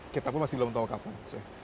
kita pun masih belum tahu kapan